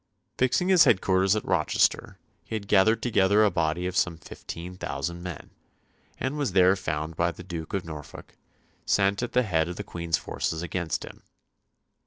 Fixing his headquarters at Rochester, he had gathered together a body of some fifteen thousand men, and was there found by the Duke of Norfolk, sent at the head of the Queen's forces against him.